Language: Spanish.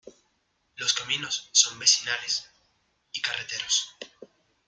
Los caminos son vecinales y carreteros.